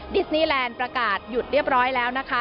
ดิสนีแลนด์ประกาศหยุดเรียบร้อยแล้วนะคะ